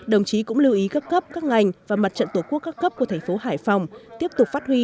đồng chí cũng lưu ý các cấp các ngành và mặt trận tổ quốc các cấp của thành phố hải phòng tiếp tục phát huy